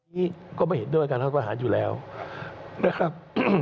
นี้ก็ไม่เห็นด้วยการรัฐประหารอยู่แล้วนะครับ